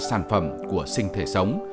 sản phẩm của sinh thể sống